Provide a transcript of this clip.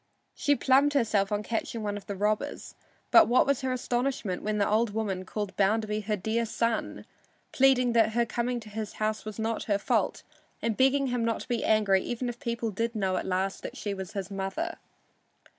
She plumed herself on catching one of the robbers, but what was her astonishment when the old woman called Bounderby her dear son, pleading that her coming to his house was not her fault and begging him not to be angry even if people did know at last that she was his mother.